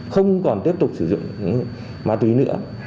không còn tiếp tục sử dụng ma túy nữa